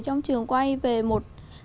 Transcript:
trong trường quay về một lễ hội